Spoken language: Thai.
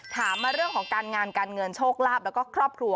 ถามมาเรื่องของการงานการเงินโชคลาภแล้วก็ครอบครัว